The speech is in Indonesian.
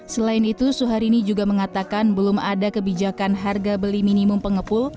selain itu suharini juga mengatakan belum ada kebijakan harga beli minimum pengepul